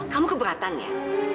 kamu keberatan ya